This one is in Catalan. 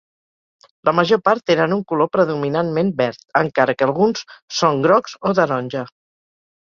La major part tenen un color predominantment verd, encara que alguns són grocs o taronja.